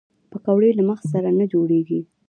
پکورې له مغز سره نه جوړېږي